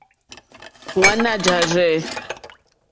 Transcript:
Wàná jáàrzɛ̂.